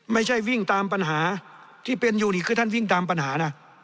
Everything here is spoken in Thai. ไม่ใช่วิ่งตามปัญหาที่เป็นอยู่นี่คือท่านวิ่งตามปัญหานะ